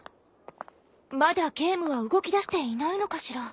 まだゲームは動きだしていないのかしら？